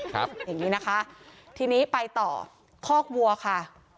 อย่างนี้นะคะทีนี้ไปต่อคอกวัวค่ะ